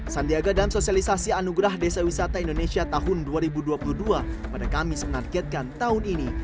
sandiaga dan sosialisasi anugerah desa wisata indonesia tahun dua ribu dua puluh dua pada kamis menargetkan tahun ini